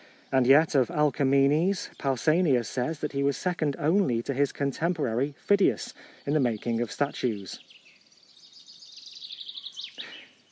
And yet of Alkamenes, Pau sanias says that he was second only to his contemporary Phidias, in the making of statues.